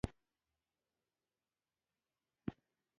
uڅنګه کولی شم د کور د سینګار لپاره آئیډیا ومومم